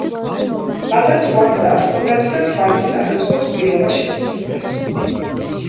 მათაც სხვა გზა არ ჰქონდათ და თვალის სანაცვლოდ პირობა შეუსრულეს.